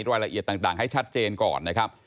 รายละเอียดต่างให้ชัดเจนก่อนนะครับ